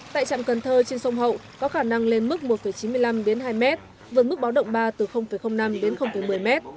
tại trạm cần thơ trên sông hậu có khả năng lên mức một chín mươi năm đến hai m vượt mức báo động ba từ năm đến một mươi m